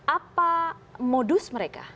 apa modus mereka